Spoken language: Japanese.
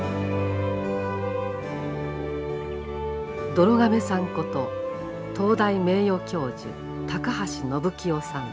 どろ亀さんこと東大名誉教授高橋延清さん